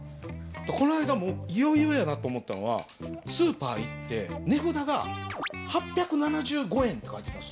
この間もういよいよやなと思ったのはスーパー行って値札が「８７５円」って書いてたんです。